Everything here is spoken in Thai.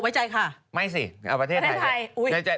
ไว้ใจค่ะไม่สิเอาประเทศไทย